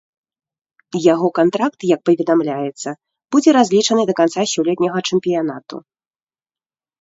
Яго кантракт, як паведамляецца, будзе разлічаны да канца сёлетняга чэмпіянату.